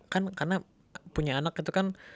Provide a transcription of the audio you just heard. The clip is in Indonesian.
kan karena punya anak itu kan